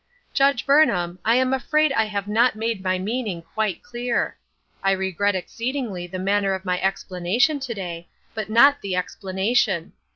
"Judge Burnham, I am afraid I have not made my meaning quite clear. I regret exceedingly the manner of my explanation to day, but not the ex T planation.